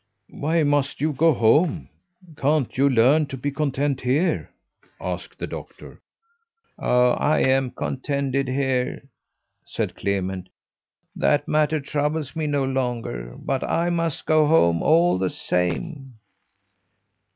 "Why must you go home? Can't you learn to be content here?" asked the doctor. "Oh, I'm contented here," said Clement. "That matter troubles me no longer, but I must go home all the same."